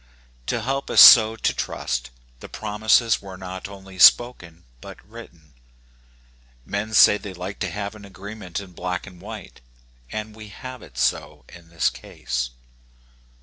To help us so to trust, the promises were not only spoken but written. Men say they like to have an agreement in black and white, and we have it so in this case.